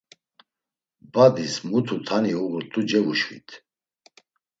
Badis muti tani uğurt̆u cevuşvit.